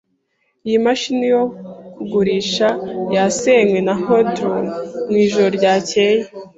Iyi mashini yo kugurisha yasenywe na hoodlums mwijoro ryakeye.